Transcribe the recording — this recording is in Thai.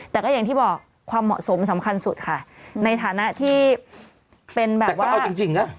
แต่ก็อย่างที่บอกความเหมาะสมสำคัญสุดค่ะในฐานะที่เป็นแบบว่าเอาจริงนะ